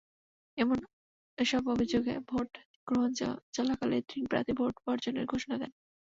এসব অভিযোগে, ভোট গ্রহণ চলাকালে তিন প্রার্থী ভোট বর্জনের ঘোষণা দেন।